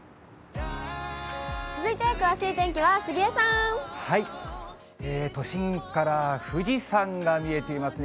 続いて詳しい天気は、杉江さ都心から富士山が見えていますね。